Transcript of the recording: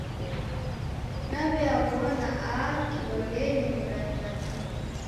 Naw'uyaw'ona a kilolenyi miramira tu.